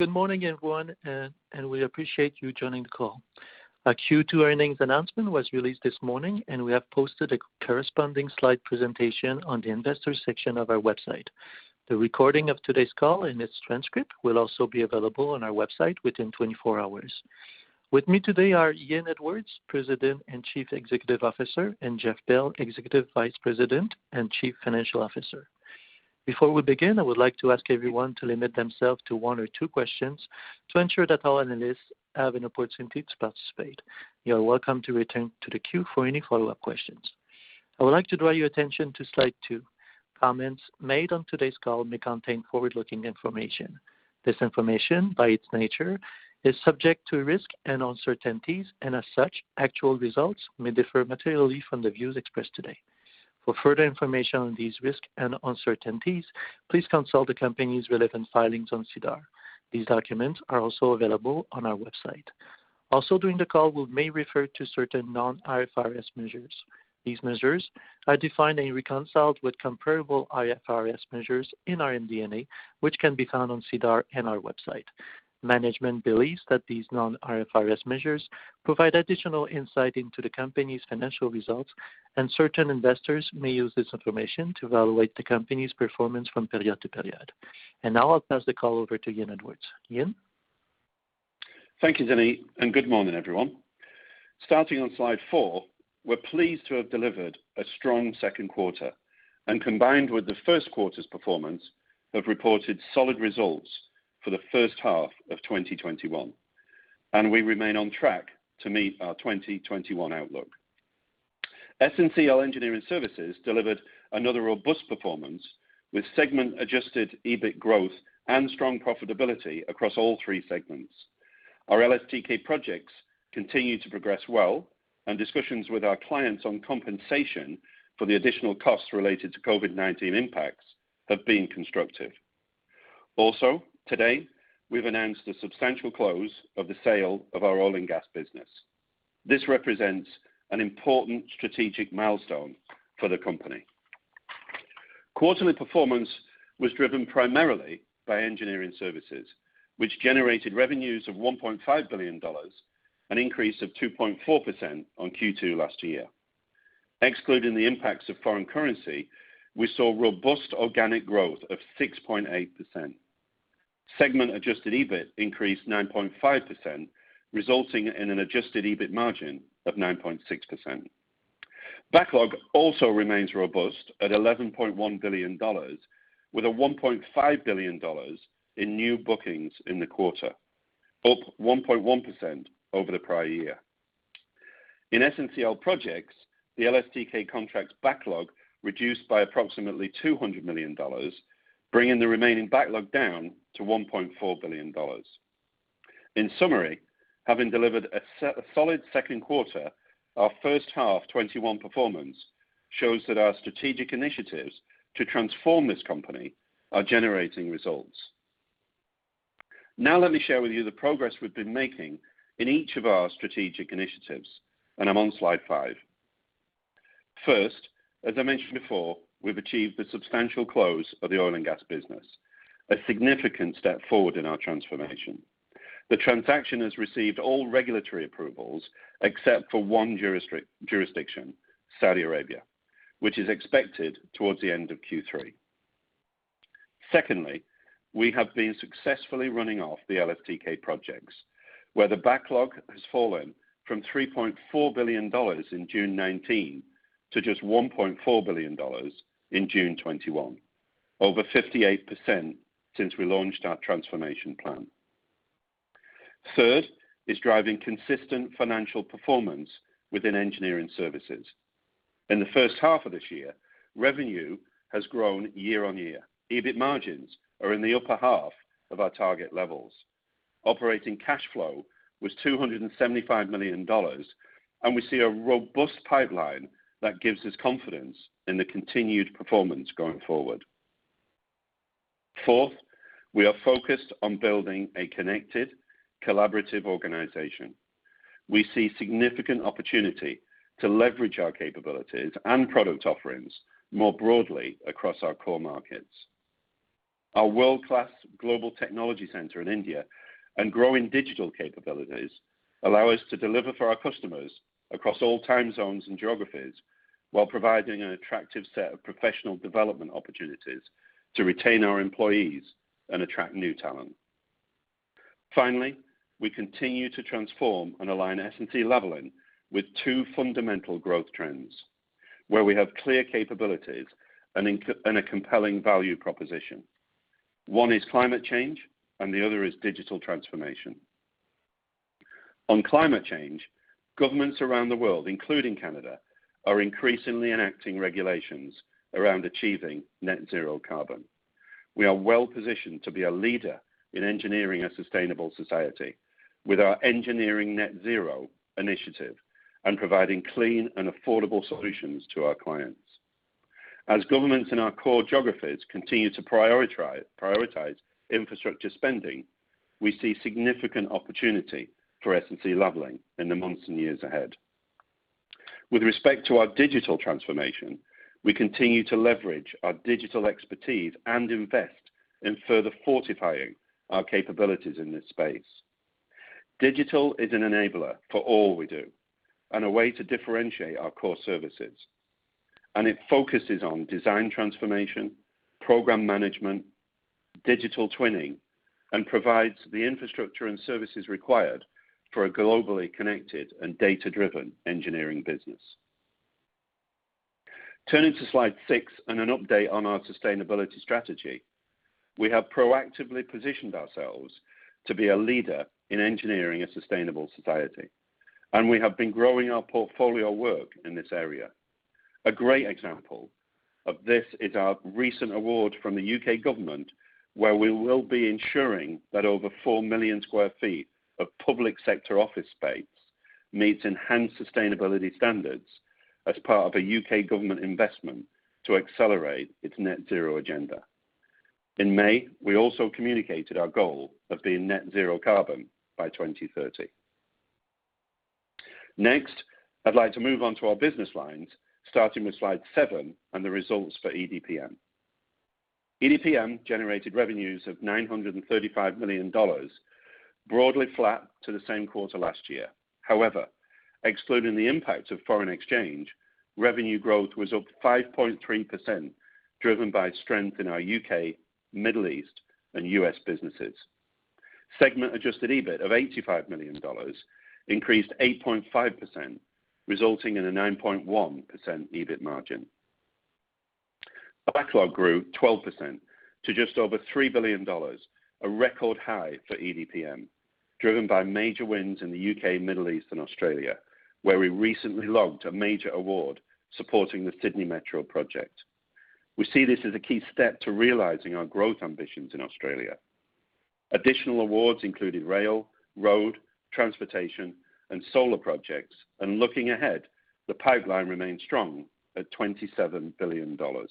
Good morning, everyone. We appreciate you joining the call. Our Q2 earnings announcement was released this morning. We have posted a corresponding slide presentation on the investors section of our website. The recording of today's call and its transcript will also be available on our website within 24 hours. With me today are Ian Edwards, President and Chief Executive Officer, and Jeff Bell, Executive Vice President and Chief Financial Officer. Before we begin, I would like to ask everyone to limit themselves to one or two questions to ensure that all analysts have an opportunity to participate. You are welcome to return to the queue for any follow-up questions. I would like to draw your attention to slide two. Comments made on today's call may contain forward-looking information. This information, by its nature, is subject to risk and uncertainties and, as such, actual results may differ materially from the views expressed today. For further information on these risks and uncertainties, please consult the company's relevant filings on SEDAR. These documents are also available on our website. Also, during the call, we may refer to certain non-IFRS measures. These measures are defined and reconciled with comparable IFRS measures in our MD&A, which can be found on SEDAR and our website. Management believes that these non-IFRS measures provide additional insight into the company's financial results. Certain investors may use this information to evaluate the company's performance from period to period. Now I'll pass the call over to Ian Edwards. Ian? Thank you, Denis, good morning, everyone. Starting on slide four, we're pleased to have delivered a strong second quarter and, combined with the first quarter's performance, have reported solid results for the first half of 2021. We remain on track to meet our 2021 outlook. SNCL Engineering Services delivered another robust performance, with segment-adjusted EBIT growth and strong profitability across all three segments. Our LSTK projects continue to progress well, and discussions with our clients on compensation for the additional costs related to COVID-19 impacts have been constructive. Today, we've announced the substantial close of the sale of our oil and gas business. This represents an important strategic milestone for the company. Quarterly performance was driven primarily by engineering services, which generated revenues of 1.5 billion dollars, an increase of 2.4% on Q2 last year. Excluding the impacts of foreign currency, we saw robust organic growth of 6.8%. Segment-adjusted EBIT increased 9.5%, resulting in an adjusted EBIT margin of 9.6%. Backlog also remains robust at 11.1 billion dollars, with a 1.5 billion dollars in new bookings in the quarter, up 1.1% over the prior year. In SNCL Projects, the LSTK contracts backlog reduced by approximately 200 million dollars, bringing the remaining backlog down to 1.4 billion dollars. In summary, having delivered a solid second quarter, our first half 2021 performance shows that our strategic initiatives to transform this company are generating results. Let me share with you the progress we've been making in each of our strategic initiatives, and I'm on slide five. First, as I mentioned before, we've achieved the substantial close of the oil and gas business, a significant step forward in our transformation. The transaction has received all regulatory approvals except for one jurisdiction, Saudi Arabia, which is expected towards the end of Q3. Secondly, we have been successfully running off the LSTK projects, where the backlog has fallen from 3.4 billion dollars in June 2019 to just 1.4 billion dollars in June 2021, over 58% since we launched our transformation plan. Third is driving consistent financial performance within engineering services. In the first half of this year, revenue has grown year-over-year. EBIT margins are in the upper half of our target levels. Operating cash flow was 275 million dollars, and we see a robust pipeline that gives us confidence in the continued performance going forward. Fourth, we are focused on building a connected, collaborative organization. We see significant opportunity to leverage our capabilities and product offerings more broadly across our core markets. Our world-class global technology center in India and growing digital capabilities allow us to deliver for our customers across all time zones and geographies while providing an attractive set of professional development opportunities to retain our employees and attract new talent. We continue to transform and align SNC-Lavalin with two fundamental growth trends where we have clear capabilities and a compelling value proposition. One is climate change and the other is digital transformation. On climate change, governments around the world, including Canada, are increasingly enacting regulations around achieving net zero carbon. We are well positioned to be a leader in engineering a sustainable society with our Engineering Net Zero initiative and providing clean and affordable solutions to our clients. As governments in our core geographies continue to prioritize infrastructure spending, we see significant opportunity for SNC-Lavalin in the months and years ahead. With respect to our digital transformation, we continue to leverage our digital expertise and invest in further fortifying our capabilities in this space. Digital is an enabler for all we do and a way to differentiate our core services, and it focuses on design transformation, program management, digital twinning, and provides the infrastructure and services required for a globally connected and data-driven engineering business. Turning to slide six and an update on our sustainability strategy. We have proactively positioned ourselves to be a leader in engineering a sustainable society, and we have been growing our portfolio work in this area. A great example of this is our recent award from the U.K. government, where we will be ensuring that over 4 million sq ft of public sector office space meets enhanced sustainability standards as part of a U.K. government investment to accelerate its net zero agenda. In May, we also communicated our goal of being net zero carbon by 2030. Next, I'd like to move on to our business lines, starting with slide seven and the results for EDPM. EDPM generated revenues of 935 million dollars, broadly flat to the same quarter last year. However, excluding the impact of foreign exchange, revenue growth was up 5.3%, driven by strength in our U.K., Middle East, and U.S. businesses. Segment adjusted EBIT of 85 million dollars increased 8.5%, resulting in a 9.1% EBIT margin. Backlog grew 12% to just over 3 billion dollars, a record high for EDPM, driven by major wins in the U.K., Middle East, and Australia, where we recently logged a major award supporting the Sydney Metro project. We see this as a key step to realizing our growth ambitions in Australia. Additional awards included rail, road, transportation, and solar projects. Looking ahead, the pipeline remains strong at 27 billion dollars.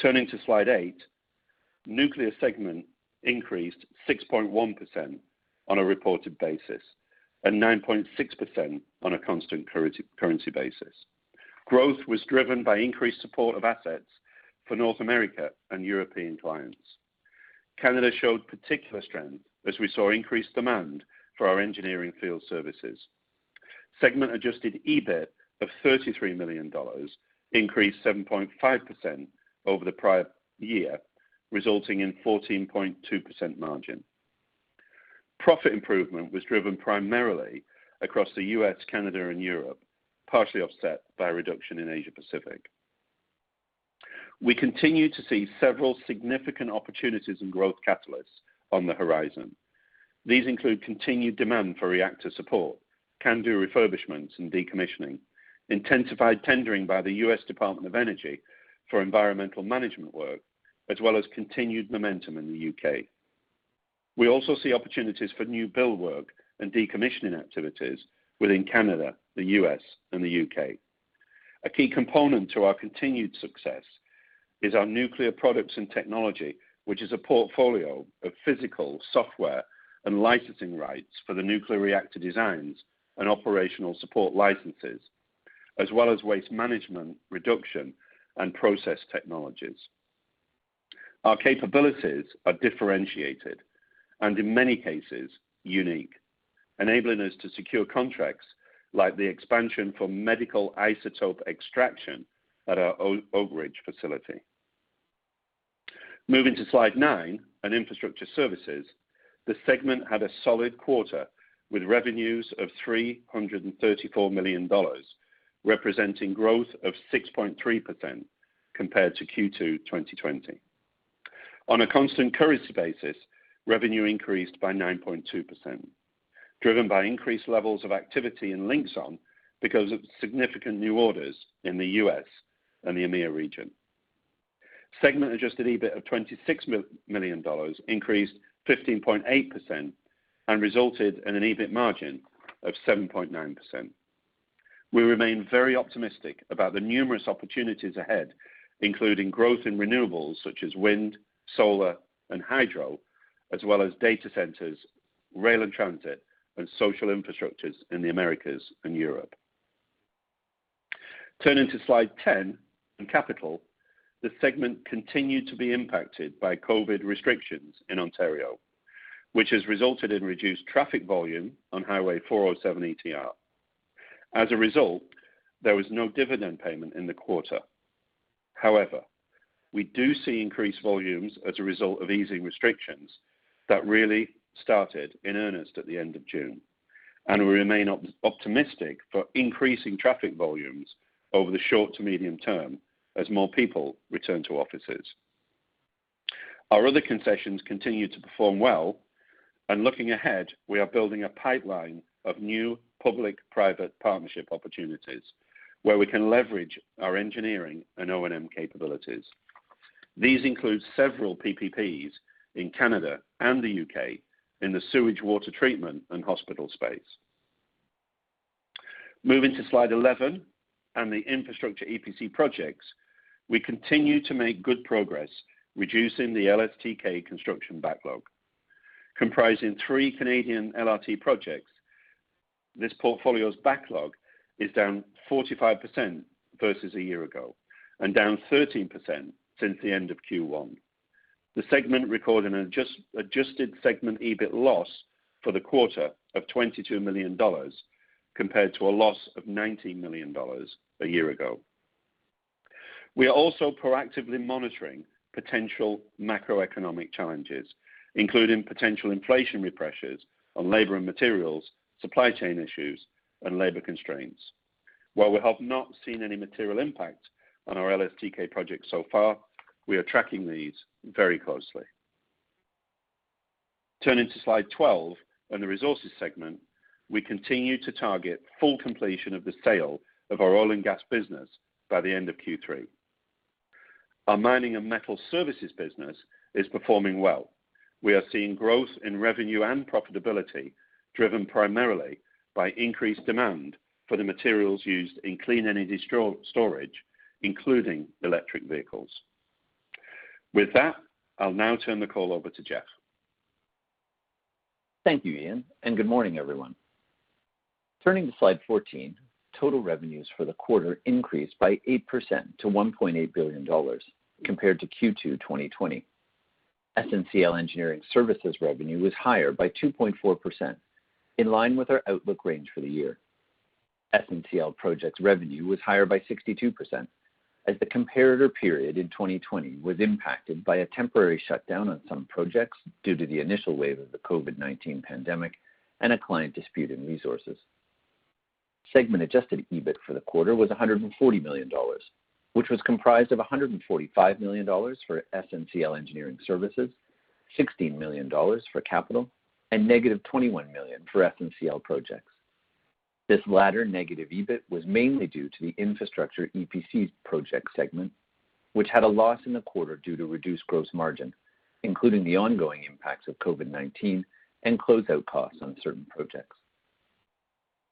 Turning to slide eight, nuclear segment increased 6.1% on a reported basis and 9.6% on a constant currency basis. Growth was driven by increased support of assets for North America and European clients. Canada showed particular strength as we saw increased demand for our engineering field services. Segment adjusted EBIT of 33 million dollars increased 7.5% over the prior year, resulting in 14.2% margin. Profit improvement was driven primarily across the U.S., Canada, and Europe, partially offset by a reduction in Asia Pacific. We continue to see several significant opportunities and growth catalysts on the horizon. These include continued demand for reactor support, CANDU refurbishments and decommissioning, intensified tendering by the U.S. Department of Energy for environmental management work, as well as continued momentum in the U.K. We also see opportunities for new build work and decommissioning activities within Canada, the U.S., and the U.K. A key component to our continued success is our nuclear products and technology, which is a portfolio of physical software and licensing rights for the nuclear reactor designs and operational support licenses, as well as waste management, reduction, and process technologies. Our capabilities are differentiated and in many cases, unique, enabling us to secure contracts like the expansion for medical isotope extraction at our Oak Ridge facility. Moving to slide nine on infrastructure services, the segment had a solid quarter with revenues of 334 million dollars, representing growth of 6.3% compared to Q2 2020. On a constant currency basis, revenue increased by 9.2%, driven by increased levels of activity in Linxon because of significant new orders in the U.S. and the EMEA region. Segment-adjusted EBIT of 26 million dollars increased 15.8% and resulted in an EBIT margin of 7.9%. We remain very optimistic about the numerous opportunities ahead, including growth in renewables such as wind, solar, and hydro, as well as data centers, rail and transit, and social infrastructures in the Americas and Europe. Turning to slide 10 on capital, the segment continued to be impacted by COVID restrictions in Ontario, which has resulted in reduced traffic volume on Highway 407 ETR. As a result, there was no dividend payment in the quarter. We do see increased volumes as a result of easing restrictions that really started in earnest at the end of June, and we remain optimistic for increasing traffic volumes over the short to medium term as more people return to offices. Our other concessions continue to perform well, and looking ahead, we are building a pipeline of new public-private partnership opportunities where we can leverage our engineering and O&M capabilities. These include several PPPs in Canada and the U.K. in the sewage water treatment and hospital space. Moving to slide 11 on the infrastructure EPC projects, we continue to make good progress reducing the LSTK construction backlog. Comprising three Canadian LRT projects, this portfolio's backlog is down 45% versus a year ago and down 13% since the end of Q1. The segment recorded an adjusted segment EBIT loss for the quarter of 22 million dollars compared to a loss of 90 million dollars a year ago. We are also proactively monitoring potential macroeconomic challenges, including potential inflationary pressures on labor and materials, supply chain issues, and labor constraints. While we have not seen any material impact on our LSTK projects so far, we are tracking these very closely. Turning to slide 12 and the resources segment, we continue to target full completion of the sale of our oil and gas business by the end of Q3. Our mining and metal services business is performing well. We are seeing growth in revenue and profitability, driven primarily by increased demand for the materials used in clean energy storage, including electric vehicles. With that, I'll now turn the call over to Jeff. Thank you, Ian, and good morning, everyone. Turning to slide 14, total revenues for the quarter increased by 8% to 1.8 billion dollars compared to Q2 2020. SNCL Engineering Services revenue was higher by 2.4%, in line with our outlook range for the year. SNCL Projects revenue was higher by 62%, as the comparator period in 2020 was impacted by a temporary shutdown on some projects due to the initial wave of the COVID-19 pandemic and a client dispute in resources. Segment adjusted EBIT for the quarter was 140 million dollars, which was comprised of 145 million dollars for SNCL Engineering Services, 16 million dollars for capital, and negative 21 million for SNCL Projects. This latter negative EBIT was mainly due to the infrastructure EPC project segment, which had a loss in the quarter due to reduced gross margin, including the ongoing impacts of COVID-19 and closeout costs on certain projects.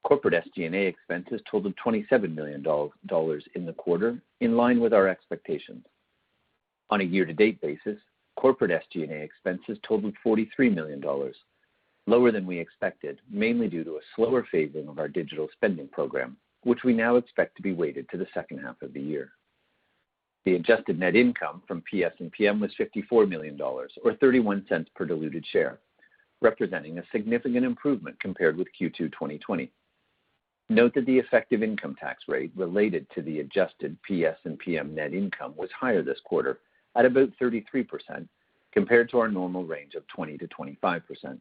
Corporate SG&A expenses totaled 27 million dollars in the quarter, in line with our expectations. On a year-to-date basis, corporate SG&A expenses totaled 43 million dollars, lower than we expected, mainly due to a slower phasing of our digital spending program, which we now expect to be weighted to the second half of the year. The adjusted net income from PS&PM was 54 million dollars, or 0.31 per diluted share, representing a significant improvement compared with Q2 2020. Note that the effective income tax rate related to the adjusted PS&PM net income was higher this quarter at about 33% compared to our normal range of 20%-25%.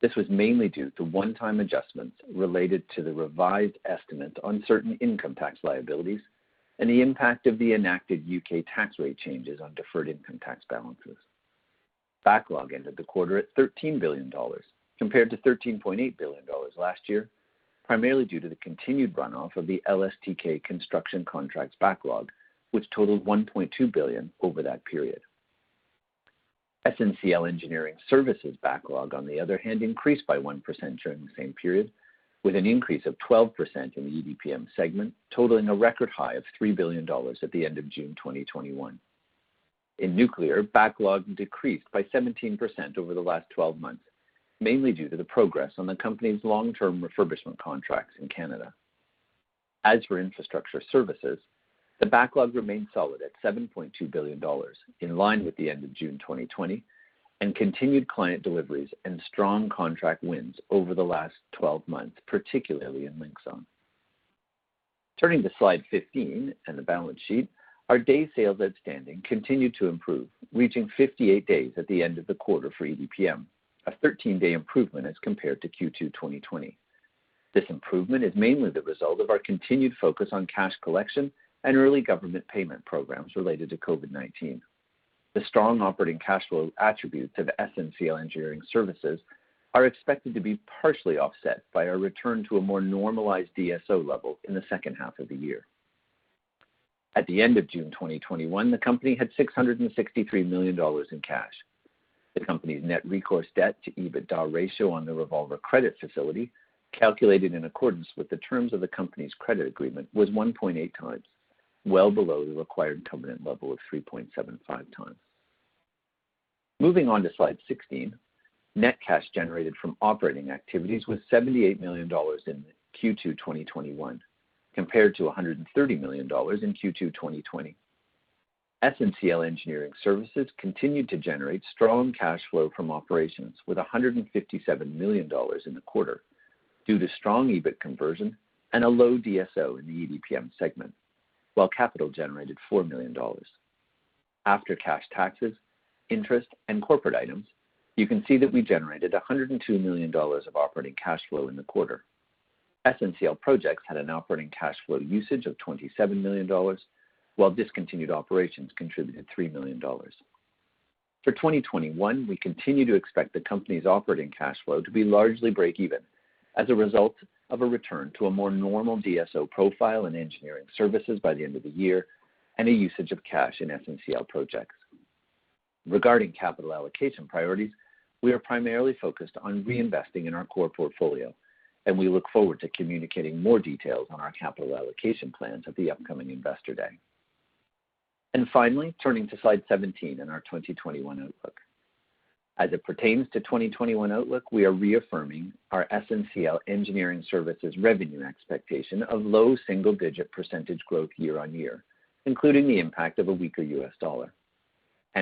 This was mainly due to one-time adjustments related to the revised estimates on certain income tax liabilities and the impact of the enacted U.K. tax rate changes on deferred income tax balances. Backlog ended the quarter at 13 billion dollars compared to 13.8 billion dollars last year, primarily due to the continued runoff of the LSTK construction contracts backlog, which totaled 1.2 billion over that period. SNCL Engineering Services backlog, on the other hand, increased by 1% during the same period, with an increase of 12% in the EDPM segment, totaling a record high of 3 billion dollars at the end of June 2021. In nuclear, backlog decreased by 17% over the last 12 months, mainly due to the progress on the company's long-term refurbishment contracts in Canada. As for infrastructure services, the backlog remained solid at 7.2 billion dollars, in line with the end of June 2020, and continued client deliveries and strong contract wins over the last 12 months, particularly in Linxon. Turning to slide 15 and the balance sheet, our day sales outstanding continued to improve, reaching 58 days at the end of the quarter for EDPM, a 13-day improvement as compared to Q2 2020. This improvement is mainly the result of our continued focus on cash collection and early government payment programs related to COVID-19. The strong operating cash flow attributes of SNCL Engineering Services are expected to be partially offset by a return to a more normalized DSO level in the second half of the year. At the end of June 2021, the company had 663 million dollars in cash. The company's net recourse debt to EBITDA ratio on the revolver credit facility, calculated in accordance with the terms of the company's credit agreement, was 1.8x, well below the required covenant level of 3.75x. Moving on to slide 16, net cash generated from operating activities was 78 million dollars in Q2 2021 compared to 130 million dollars in Q2 2020. SNCL Engineering Services continued to generate strong cash flow from operations with 157 million dollars in the quarter due to strong EBIT conversion and a low DSO in the EDPM segment, while capital generated 4 million dollars. After cash taxes, interest, and corporate items, you can see that we generated 102 million dollars of operating cash flow in the quarter. SNCL Projects had an operating cash flow usage of 27 million dollars, while discontinued operations contributed 3 million dollars. For 2021, we continue to expect the company's operating cash flow to be largely breakeven as a result of a return to a more normal DSO profile in Engineering Services by the end of the year and a usage of cash in SNCL Projects. Regarding capital allocation priorities, we are primarily focused on reinvesting in our core portfolio, and we look forward to communicating more details on our capital allocation plans at the upcoming Investor Day. Finally, turning to slide 17 in our 2021 outlook. As it pertains to 2021 outlook, we are reaffirming our SNCL Engineering Services revenue expectation of low single-digit percentage growth year on year, including the impact of a weaker U.S. dollar.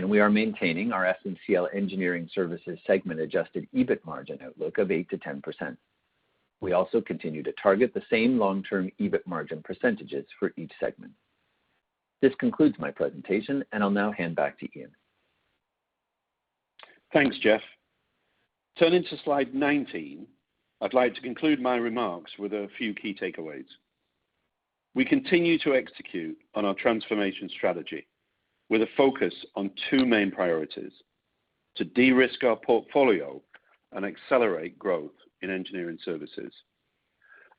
We are maintaining our SNCL Engineering Services segment adjusted EBIT margin outlook of 8%-10%. We also continue to target the same long-term EBIT margin percentages for each segment. This concludes my presentation, and I'll now hand back to Ian. Thanks, Jeff. Turning to slide 19, I'd like to conclude my remarks with a few key takeaways. We continue to execute on our transformation strategy with a focus on two main priorities, to de-risk our portfolio and accelerate growth in engineering services.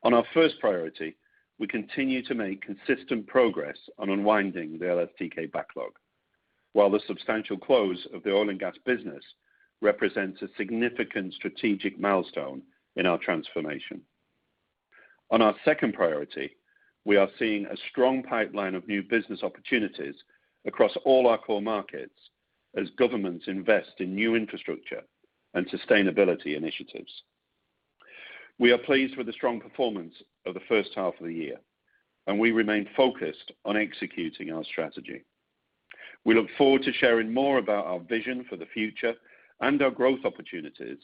On our first priority, we continue to make consistent progress on unwinding the LSTK backlog, while the substantial close of the oil and gas business represents a significant strategic milestone in our transformation. On our second priority, we are seeing a strong pipeline of new business opportunities across all our core markets as governments invest in new infrastructure and sustainability initiatives. We are pleased with the strong performance of the first half of the year, and we remain focused on executing our strategy. We look forward to sharing more about our vision for the future and our growth opportunities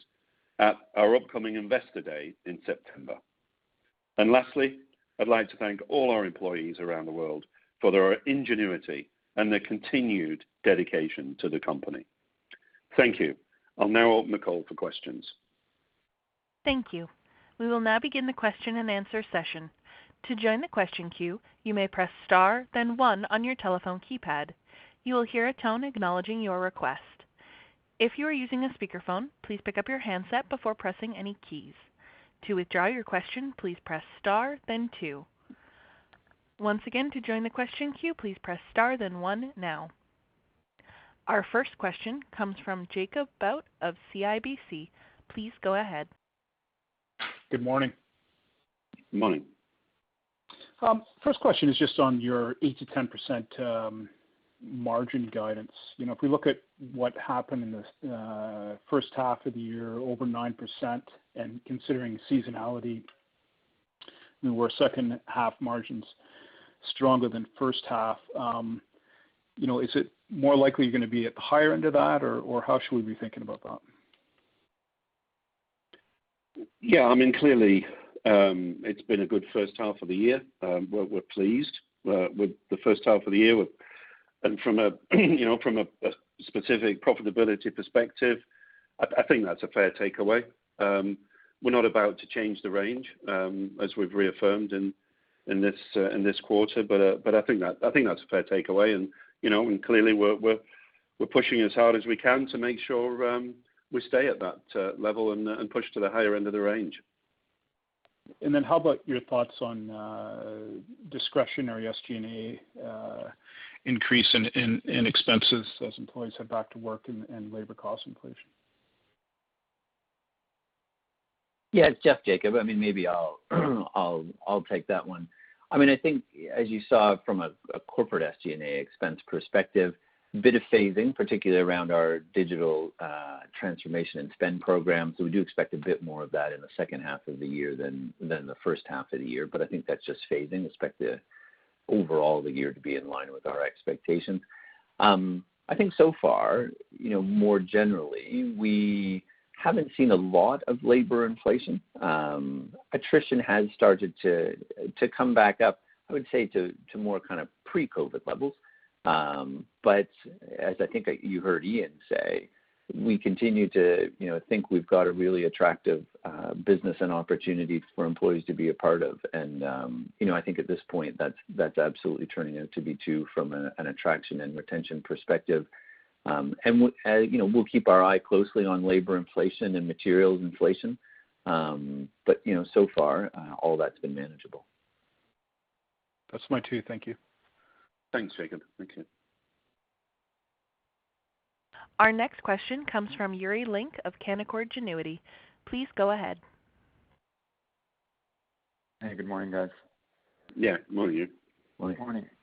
at our upcoming Investor Day in September. Lastly, I'd like to thank all our employees around the world for their ingenuity and their continued dedication to the company. Thank you. I'll now open the call for questions. Thank you. We will now begin the question-and-answer session. To join the question queue, you may press star, then one on your telephone keypad. You will hear a tone acknowledging your request. If you are using a speakerphone, please pick up your handset before pressing any keys. To withdraw your question, please press star, then two. Once again, to join the question queue, please press star, then one now. Our first question comes from Jacob Bout of CIBC. Please go ahead. Good morning. Good morning. First question is just on your 8%-10% margin guidance. If we look at what happened in the first half of the year, over 9%, considering seasonality, were second half margins stronger than first half? Is it more likely you're going to be at the higher end of that, or how should we be thinking about that? Yeah, clearly, it's been a good first half of the year. We're pleased with the first half of the year. From a specific profitability perspective, I think that's a fair takeaway. We're not about to change the range, as we've reaffirmed in this quarter, but I think that's a fair takeaway, and clearly, we're pushing as hard as we can to make sure we stay at that level and push to the higher end of the range. How about your thoughts on discretionary SG&A increase in expenses as employees head back to work and labor cost inflation? Yeah. It's Jeff, Jacob. Maybe I'll take that one. I think as you saw from a corporate SG&A expense perspective, a bit of phasing, particularly around our digital transformation and spend programs. We do expect a bit more of that in the second half of the year than the first half of the year, I think that's just phasing. Expect overall the year to be in line with our expectations. I think so far, more generally, we haven't seen a lot of labor inflation. Attrition has started to come back up, I would say, to more pre-COVID levels. As I think you heard Ian say, we continue to think we've got a really attractive business and opportunity for employees to be a part of, I think at this point, that's absolutely turning out to be true from an attraction and retention perspective. We'll keep our eye closely on labor inflation and materials inflation, but so far, all that's been manageable. That's mine, too. Thank you. Thanks, Jacob. Thank you. Our next question comes from Yuri Lynk of Canaccord Genuity. Please go ahead. Hey, good morning, guys. Yeah, good morning, Yuri. Morning.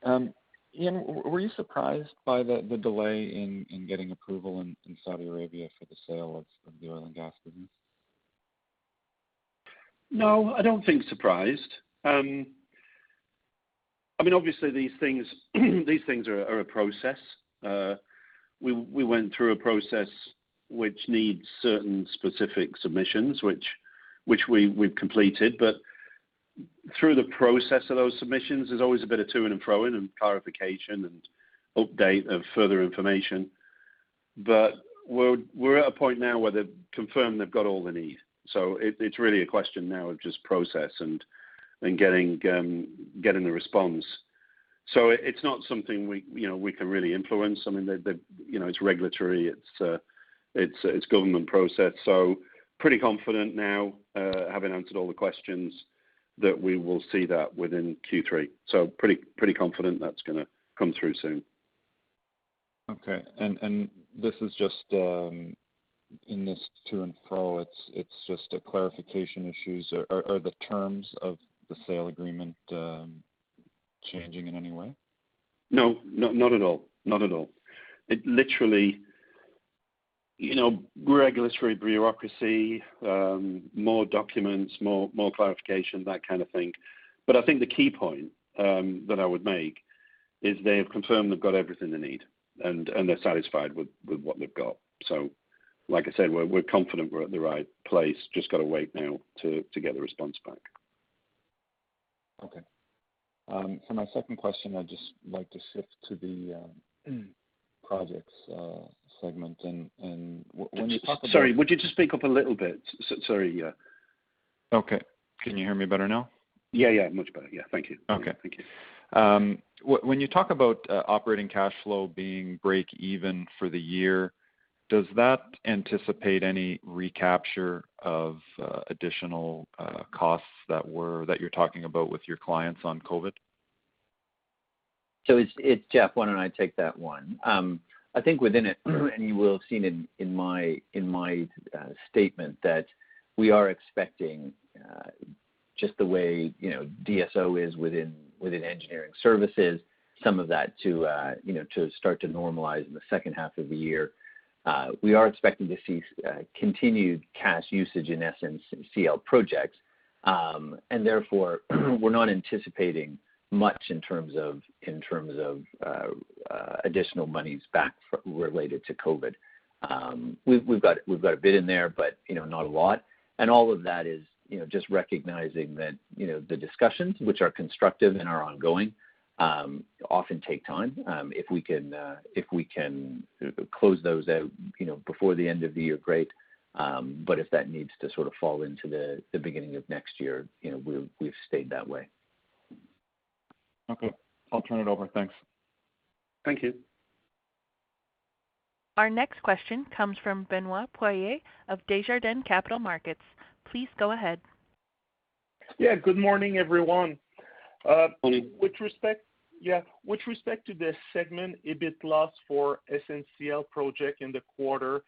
Morning. Ian, were you surprised by the delay in getting approval in Saudi Arabia for the sale of the oil and gas business? No, I don't think surprised. Obviously, these things are a process. We went through a process which needs certain specific submissions, which we've completed. Through the process of those submissions, there's always a bit of to-ing and fro-ing and clarification and update of further information. We're at a point now where they've confirmed they've got all they need. It's really a question now of just process and getting the response. It's not something we can really influence. It's regulatory, it's government process. Pretty confident now, having answered all the questions, that we will see that within Q3. Pretty confident that's going to come through soon. Okay. In this to and for, it's just a clarification issue. Are the terms of the sale agreement changing in any way? No, not at all. Literally, regulatory bureaucracy, more documents, more clarification, that kind of thing. I think the key point that I would make is they have confirmed they've got everything they need, and they're satisfied with what they've got. Like I said, we're confident we're at the right place, just got to wait now to get the response back. Okay. For my second question, I'd just like to shift to the Projects segment. Sorry, would you just speak up a little bit? Sorry, yeah. Okay. Can you hear me better now? Yeah. Much better. Yeah, thank you. Okay. Thank you. When you talk about operating cash flow being break even for the year, does that anticipate any recapture of additional costs that you're talking about with your clients on COVID? It's Jeff. Why don't I take that one? I think within it, and you will have seen in my statement that we are expecting, just the way, you know, DSO is within engineering services, some of that to start to normalize in the second half of the year. We are expecting to see continued cash usage, in essence, in SNCL Projects. Therefore, we're not anticipating much in terms of additional monies back related to COVID. We've got a bit in there, but not a lot. All of that is just recognizing that the discussions, which are constructive and are ongoing, often take time. If we can close those out before the end of the year, great. If that needs to sort of fall into the beginning of next year, we've stayed that way. Okay. I'll turn it over. Thanks. Thank you. Our next question comes from Benoit Poirier of Desjardins Capital Markets. Please go ahead. Yeah, good morning, everyone. Morning. With respect to this segment, EBIT loss for SNCL Projects in the quarter,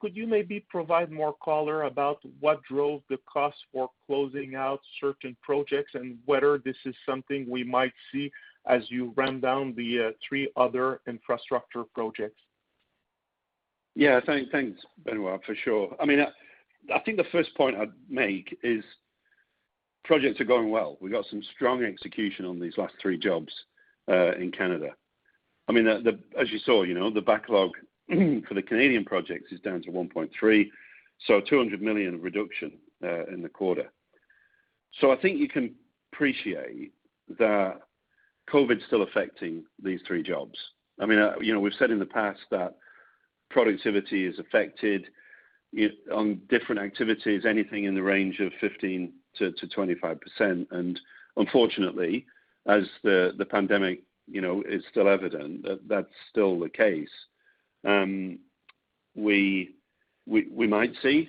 could you maybe provide more color about what drove the cost for closing out certain projects, and whether this is something we might see as you ramp down the three other infrastructure projects? Yeah, thanks, Benoit, for sure. I think the first point I'd make is projects are going well. We got some strong execution on these last three jobs, in Canada. As you saw, the backlog for the Canadian projects is down to 1.3, so 200 million of reduction in the quarter. I think you can appreciate that COVID's still affecting these three jobs. We've said in the past that productivity is affected on different activities, anything in the range of 15%-25%. Unfortunately, as the pandemic is still evident, that's still the case. We might see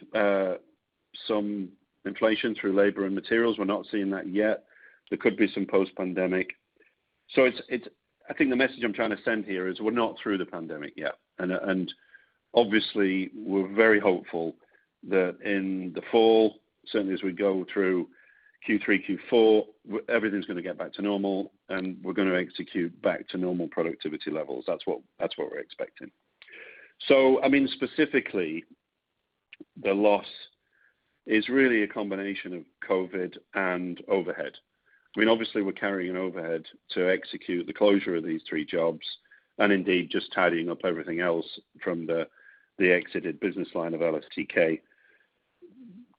some inflation through labor and materials. We're not seeing that yet. There could be some post-pandemic. I think the message I'm trying to send here is we're not through the pandemic yet. Obviously, we're very hopeful that in the fall, certainly as we go through Q3-Q4, everything's going to get back to normal, and we're going to execute back to normal productivity levels. That's what we're expecting. Specifically, the loss is really a combination of COVID and overhead. Obviously, we're carrying an overhead to execute the closure of these three jobs, and indeed, just tidying up everything else from the exited business line of LSTK.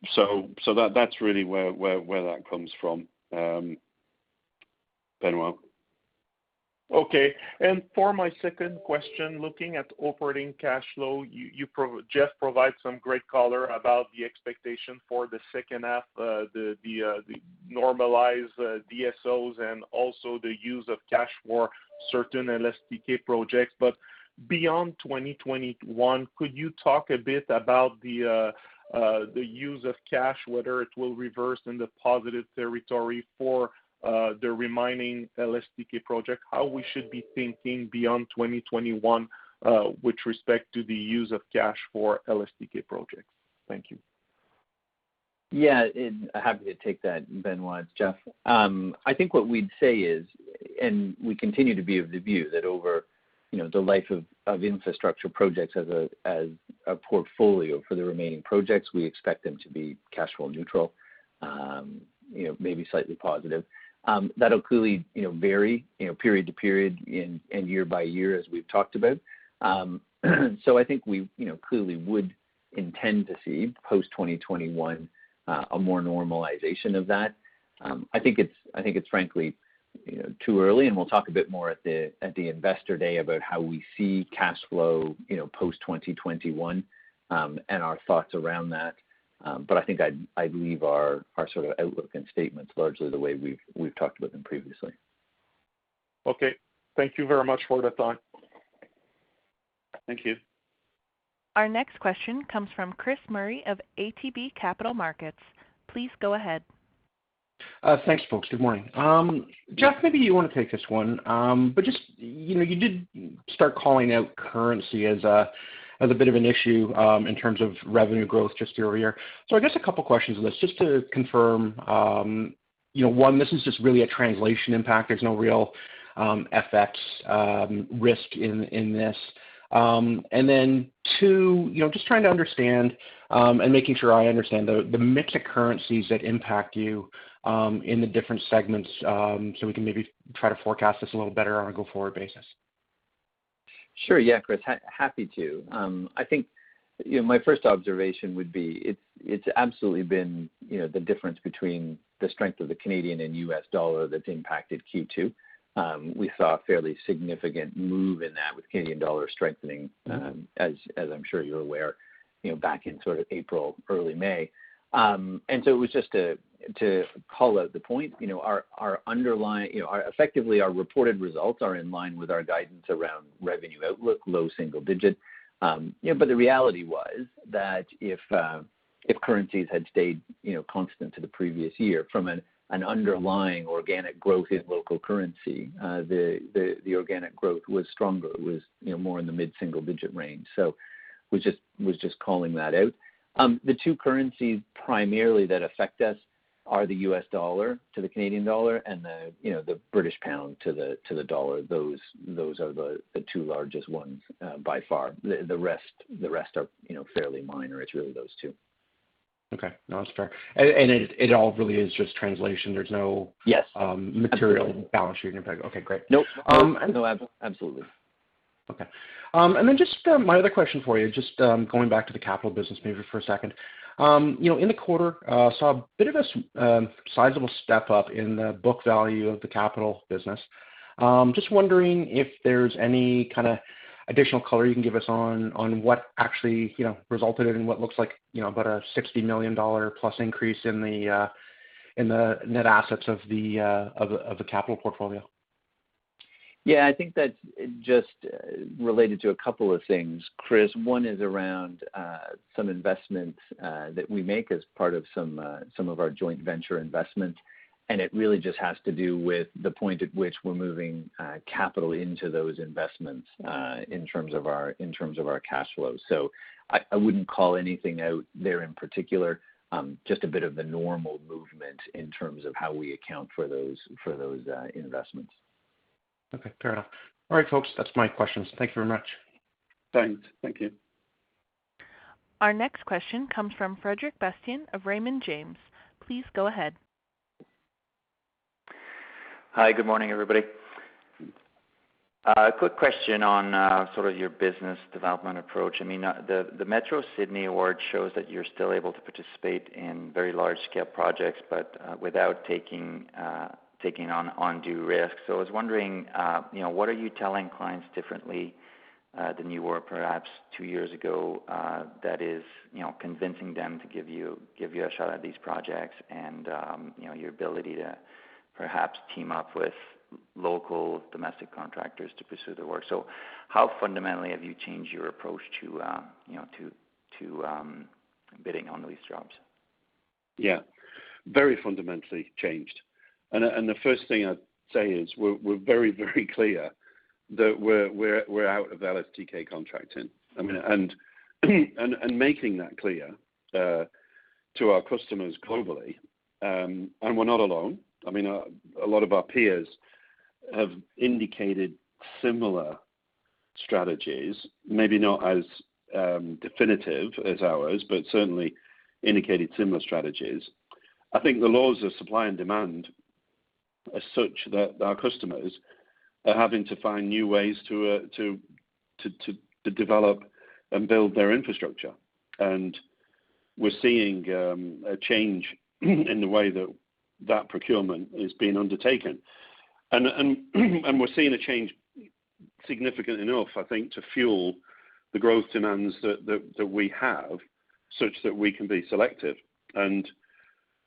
That's really where that comes from, Benoit. Okay. For my second question, looking at operating cash flow, Jeff provided some great color about the expectation for the second half, the normalized DSOs, and also the use of cash for certain LSTK projects. Beyond 2021, could you talk a bit about the use of cash, whether it will reverse into positive territory for the remaining LSTK project? How we should be thinking beyond 2021, with respect to the use of cash for LSTK projects? Thank you. Yeah. Happy to take that, Benoit. Jeff. I think what we'd say is, and we continue to be of the view that over the life of infrastructure projects as a portfolio for the remaining projects, we expect them to be cash flow neutral, maybe slightly positive. That'll clearly vary period to period and year by year as we've talked about. I think we clearly would intend to see post 2021, a more normalization of that. I think it's frankly too early, and we'll talk a bit more at the Investor Day about how we see cash flow post 2021, and our thoughts around that. I think I'd leave our sort of outlook and statements largely the way we've talked about them previously. Okay. Thank you very much for the time. Thank you. Our next question comes from Chris Murray of ATB Capital Markets. Please go ahead. Thanks, folks. Good morning. Jeff, maybe you want to take this one. You did start calling out currency as a bit of an issue in terms of revenue growth just year-over-year. I guess a couple questions on this. Just to confirm, one, this is just really a translation impact. There's no real FX risk in this. Two, just trying to understand, and making sure I understand, the mix of currencies that impact you in the different segments so we can maybe try to forecast this a little better on a go-forward basis. Sure. Yeah, Chris. Happy to. I think my first observation would be, it's absolutely been the difference between the strength of the Canadian and U.S. dollar that's impacted Q2. We saw a fairly significant move in that with Canadian dollar strengthening, as I'm sure you're aware, back in April, early May. It was just to call out the point. Effectively, our reported results are in line with our guidance around revenue outlook, low single digit. The reality was that if currencies had stayed constant to the previous year from an underlying organic growth in local currency, the organic growth was stronger. It was more in the mid-single digit range. Was just calling that out. The two currencies primarily that affect us are the U.S. dollar to the Canadian dollar and the British pound to the Canadian dollar. Those are the two largest ones by far. The rest are fairly minor. It's really those two. Okay. No, that's fair. It all really is just translation- Yes. ...material balance sheet impact. Okay, great. No. Absolutely. Okay. Just my other question for you, just going back to the capital business maybe for a second. In the quarter, saw a bit of a sizable step-up in the book value of the capital business. Just wondering if there's any kind of additional color you can give us on what actually resulted in what looks like about a 60 million dollar plus increase in the net assets of the capital portfolio. Yeah, I think that's just related to a couple of things, Chris. One is around some investments that we make as part of some of our joint venture investments. It really just has to do with the point at which we're moving capital into those investments in terms of our cash flows. I wouldn't call anything out there in particular. Just a bit of the normal movement in terms of how we account for those investments. Okay. Fair enough. All right, folks, that is my questions. Thank you very much. Thanks. Thank you. Our next question comes from Frederic Bastien of Raymond James. Please go ahead. Hi, good morning, everybody. A quick question on sort of your business development approach. The Sydney Metro award shows that you're still able to participate in very large-scale projects, but without taking on undue risk. I was wondering, what are you telling clients differently than you were perhaps two years ago that is convincing them to give you a shot at these projects and your ability to perhaps team up with local domestic contractors to pursue the work? How fundamentally have you changed your approach to bidding on these jobs? Yeah. Very fundamentally changed. The first thing I'd say is we're very clear that we're out of LSTK contracting, and making that clear to our customers globally. We're not alone. A lot of our peers have indicated similar strategies, maybe not as definitive as ours, but certainly indicated similar strategies. I think the laws of supply and demand are such that our customers are having to find new ways to develop and build their infrastructure. We're seeing a change in the way that that procurement is being undertaken. We're seeing a change significant enough, I think, to fuel the growth demands that we have such that we can be selective.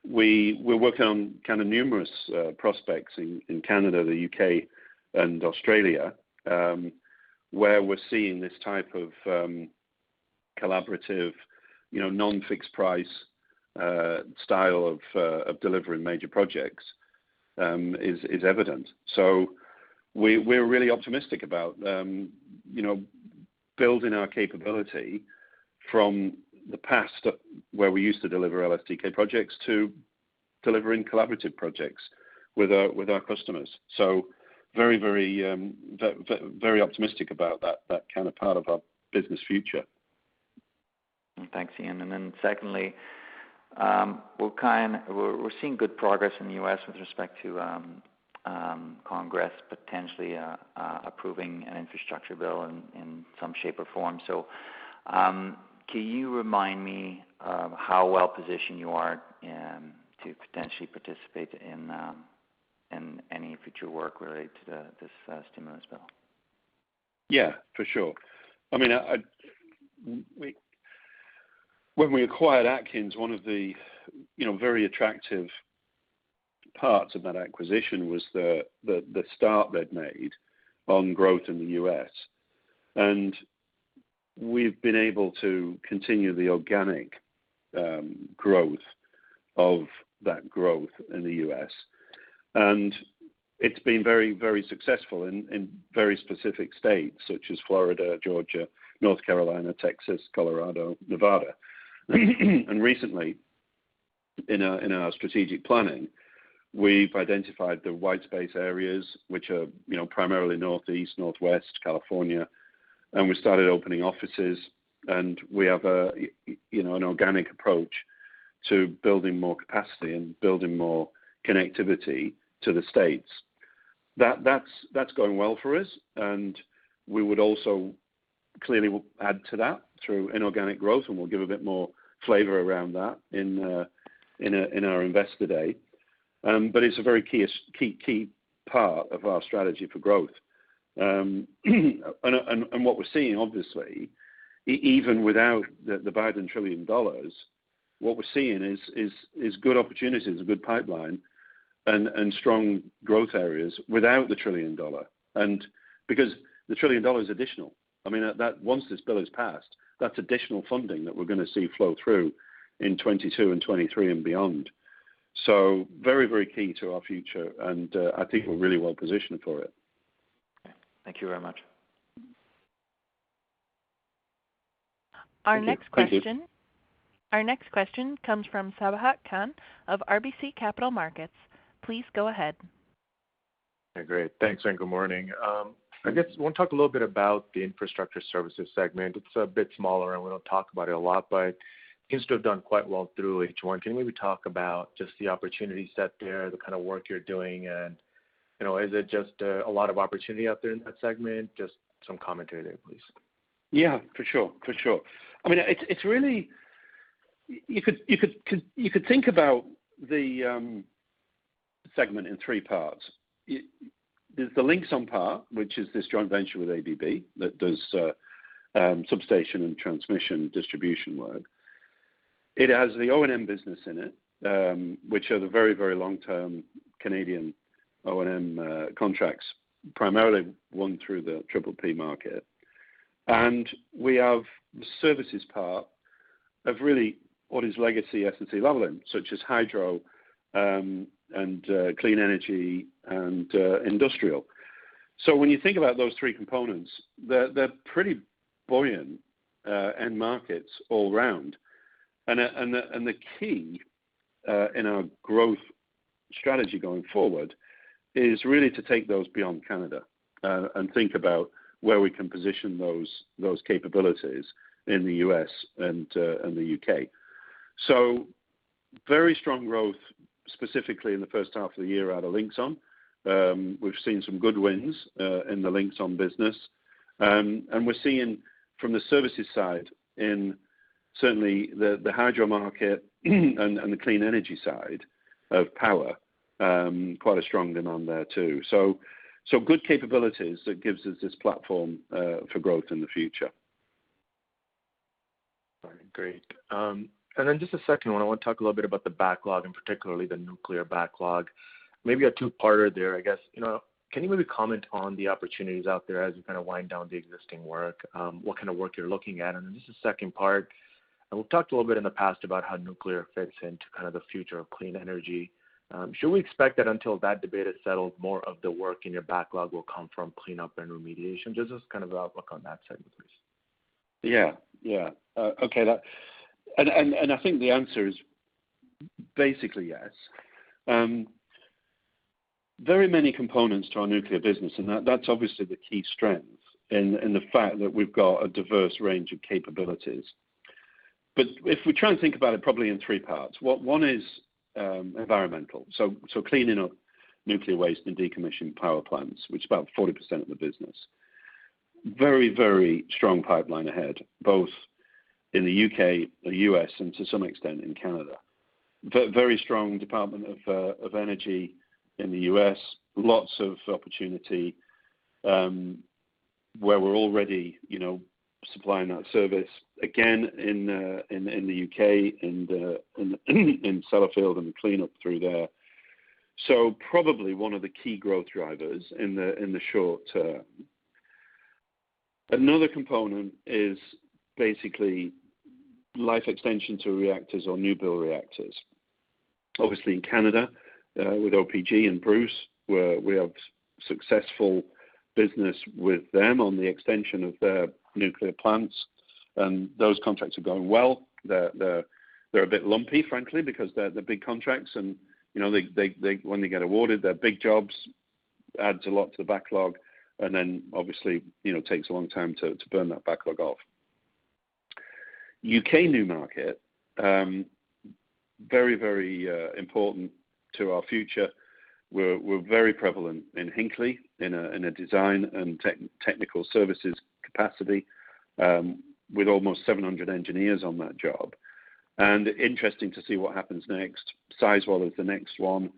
We're working on kind of numerous prospects in Canada, the U.K., and Australia, where we're seeing this type of collaborative non-fixed price style of delivering major projects is evident. We're really optimistic about building our capability from the past, where we used to deliver LSTK projects, to delivering collaborative projects with our customers. Very optimistic about that kind of part of our business future. Thanks, Ian. secondly, we're seeing good progress in the U.S. with respect to Congress potentially approving an infrastructure bill in some shape or form. can you remind me of how well-positioned you are to potentially participate in any future work related to this stimulus bill? Yeah, for sure. When we acquired Atkins, one of the very attractive parts of that acquisition was the start they'd made on growth in the U.S. We've been able to continue the organic growth of that growth in the U.S., and it's been very successful in very specific states such as Florida, Georgia, North Carolina, Texas, Colorado, Nevada. Recently, in our strategic planning, we've identified the white space areas, which are primarily Northeast, Northwest, California, and we started opening offices, and we have an organic approach to building more capacity and building more connectivity to the States. That's going well for us, and we would also clearly add to that through inorganic growth, and we'll give a bit more flavor around that in our investor day. It's a very key part of our strategy for growth. What we're seeing, obviously, even without the Biden 1 trillion dollars, what we're seeing is good opportunities, a good pipeline, and strong growth areas without the 1 trillion dollar. Because the 1 trillion dollar is additional. Once this bill is passed, that's additional funding that we're going to see flow through in 2022 and 2023 and beyond. Very key to our future, and I think we're really well-positioned for it. Okay. Thank you very much. Our next question comes from Sabahat Khan of RBC Capital Markets. Please go ahead. Great. Thanks, and good morning. I guess I want to talk a little bit about the infrastructure services segment. It's a bit smaller, and we don't talk about it a lot, but it seems to have done quite well through H1. Can you maybe talk about just the opportunities out there, the kind of work you're doing, and is it just a lot of opportunity out there in that segment? Just some commentary there, please. Yeah, for sure. You could think about the segment in three parts. There's the Linxon part, which is this joint venture with ABB that does substation and transmission distribution work. It has the O&M business in it, which are the very long-term Canadian O&M contracts, primarily won through the PPP market. We have the services part of really what is legacy SNC-Lavalin such as hydro and clean energy and industrial. When you think about those three components, they're pretty buoyant end markets all around. The key in our growth strategy going forward is really to take those beyond Canada, and think about where we can position those capabilities in the U.S. and the U.K. Very strong growth, specifically in the first half of the year out of Linxon. We've seen some good wins in the Linxon business. We're seeing from the services side in certainly the hydro market and the clean energy side of power, quite a strong demand there, too. Good capabilities that gives us this platform for growth in the future. All right, great. Just a second one. I want to talk a little bit about the backlog, and particularly the nuclear backlog. Maybe a two-parter there, I guess. Can you maybe comment on the opportunities out there as you wind down the existing work? What kind of work you're looking at? Just the second part, and we've talked a little bit in the past about how nuclear fits into kind of the future of clean energy. Should we expect that until that debate is settled, more of the work in your backlog will come from cleanup and remediation? Just as kind of an outlook on that segment, please. Yeah, yeah. I think the answer is basically yes. Very many components to our nuclear business, and that's obviously the key strength in the fact that we've got a diverse range of capabilities. If we try and think about it probably in three parts, one is environmental, so cleaning up nuclear waste and decommissioning power plants, which is about 40% of the business. Very very strong pipeline ahead, both in the U.K., the U.S., and to some extent in Canada. Very strong U.S. Department of Energy in the U.S. Lots of opportunity where we're already supplying that service again in the U.K. and in Sellafield and the cleanup through there. Probably one of the key growth drivers in the short term. Another component is basically life extension to reactors or new build reactors. Obviously in Canada, with OPG and Bruce, where we have successful business with them on the extension of their nuclear plants. Those contracts are going well. They're a bit lumpy, frankly, because they're big contracts, and when they get awarded, they're big jobs, adds a lot to the backlog, and then obviously takes a long time to burn that backlog off. U.K. new market, very very important to our future. We're very prevalent in Hinkley, in a design and technical services capacity, with almost 700 engineers on that job. Interesting to see what happens next. Sizewell is the next one.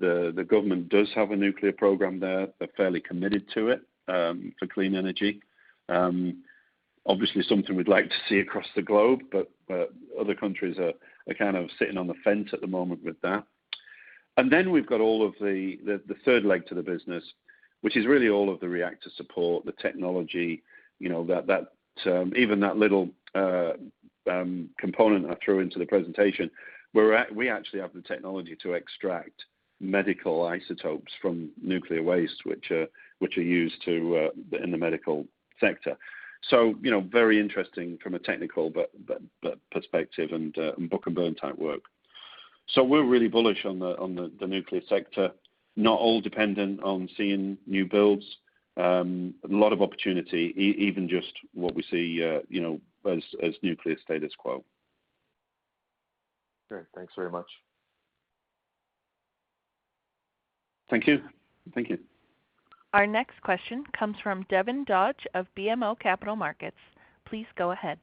The government does have a nuclear program there. They're fairly committed to it, for clean energy. Obviously something we'd like to see across the globe, but other countries are kind of sitting on the fence at the moment with that. We've got the third leg to the business, which is really all of the reactor support, the technology, even that little component I threw into the presentation, where we actually have the technology to extract medical isotopes from nuclear waste, which are used in the medical sector. Very interesting from a technical perspective and book-and-burn type work. We're really bullish on the nuclear sector, not all dependent on seeing new builds. A lot of opportunity, even just what we see as nuclear status quo. Great. Thanks very much. Thank you. Our next question comes from Devin Dodge of BMO Capital Markets. Please go ahead.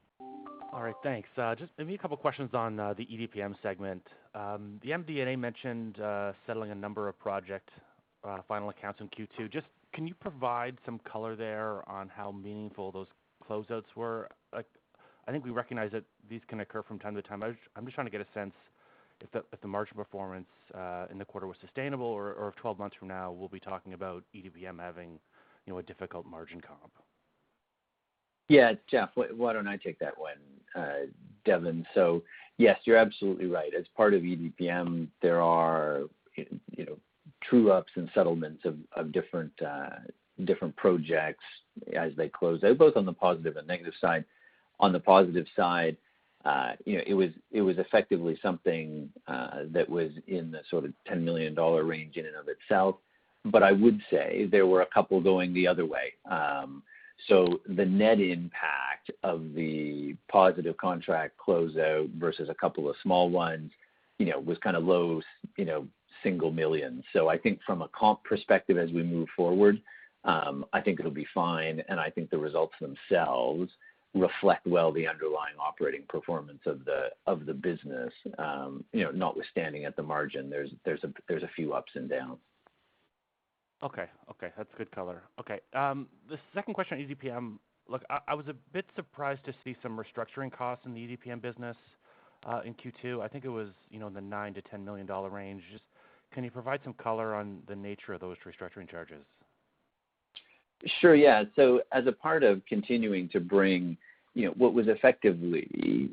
All right. Thanks. Just maybe a couple of questions on the EDPM segment. The MD&A mentioned settling a number of project final accounts in Q2. Just can you provide some color there on how meaningful those closeouts were? I think we recognize that these can occur from time to time. I'm just trying to get a sense if the margin performance in the quarter was sustainable or if 12 months from now, we'll be talking about EDPM having a difficult margin comp. Yeah, Jeff, why don't I take that one, Devin? Yes, you're absolutely right. As part of EDPM, there are true-ups and settlements of different projects as they close, both on the positive and negative side. On the positive side, it was effectively something that was in the sort of 10 million dollar range in and of itself. I would say there were a couple going the other way. The net impact of the positive contract closeout versus a couple of small ones was kind of low single million. I think from a comp perspective, as we move forward, I think it'll be fine, and I think the results themselves reflect well the underlying operating performance of the business, notwithstanding at the margin, there's a few ups and downs. Okay. That's good color. Okay. The second question on EDPM. I was a bit surprised to see some restructuring costs in the EDPM business, in Q2. I think it was in the 9 million-10 million dollar range. Can you provide some color on the nature of those restructuring charges? Sure. Yeah. As a part of continuing to bring what was effectively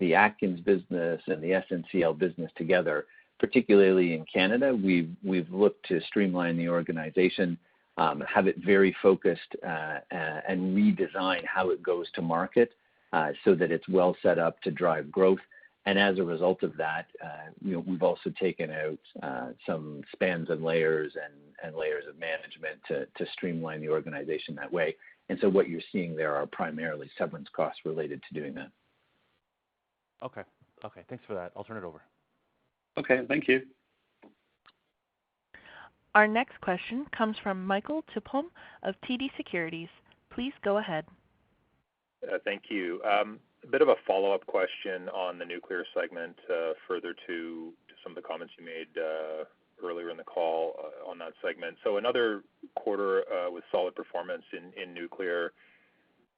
the Atkins business and the SNCL business together, particularly in Canada, we've looked to streamline the organization, have it very focused, and redesign how it goes to market, so that it's well set up to drive growth. As a result of that, we've also taken out some spans and layers and layers of management to streamline the organization that way. What you're seeing there are primarily severance costs related to doing that. Okay. Thanks for that. I'll turn it over. Okay. Thank you. Our next question comes from Michael Tupholme of TD Securities. Please go ahead. Thank you. A bit of a follow-up question on the nuclear segment, further to some of the comments you made earlier in the call on that segment. Another quarter with solid performance in nuclear,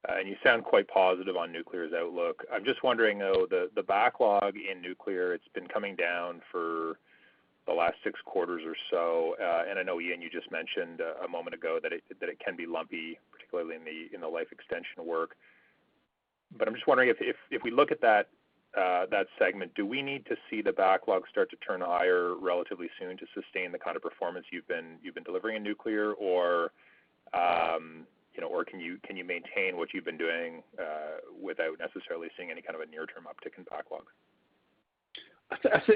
and you sound quite positive on nuclear's outlook. I'm just wondering, though, the backlog in nuclear, it's been coming down for the last six quarters or so. I know, Ian, you just mentioned a moment ago that it can be lumpy, particularly in the life extension work. I'm just wondering if we look at that segment, do we need to see the backlog start to turn higher relatively soon to sustain the kind of performance you've been delivering in nuclear, or can you maintain what you've been doing without necessarily seeing any kind of a near-term uptick in backlog?